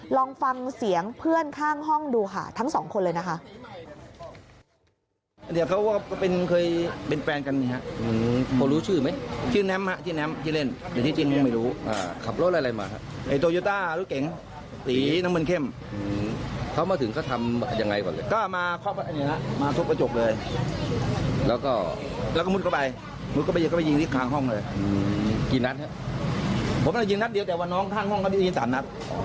ลองฟังเสียงเพื่อนข้างห้องดูค่ะทั้งสองคนเลยนะคะ